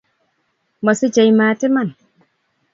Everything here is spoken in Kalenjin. Mosichei mat iman